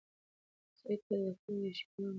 سعید ته د کلي د شیدو او مستو خوند نه هېرېدونکی دی.